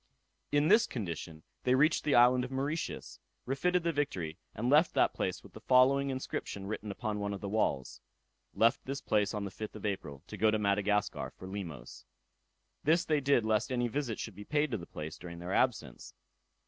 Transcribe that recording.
In this condition they reached the island of Mauritius, refitted the Victory, and left that place with the following inscription written upon one of the walls: "Left this place on the 5th of April, to go to Madagascar for Limos." This they did lest any visit should be paid to the place during their absence.